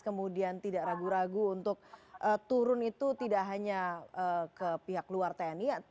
kemudian tidak ragu ragu untuk turun itu tidak hanya ke pihak luar tni